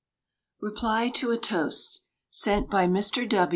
REPLY TO A TOAST, SENT BY MR.